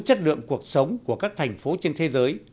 chất lượng cuộc sống của các thành phố trên thế giới